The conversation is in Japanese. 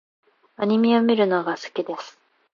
アニメを見るのが好きです。